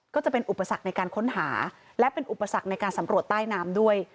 ก็จะเป็นอุปสรรคในการค้นหาและเป็นอุปสรรคในการสำรวจใต้น้ำด้วย